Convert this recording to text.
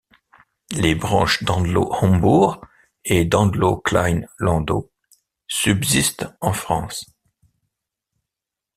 Les branches d'Andlau-Hombourg et d'Andlau-Klein-Landau subsistent en France.